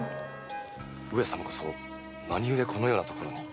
上様こそ何ゆえこのような所に？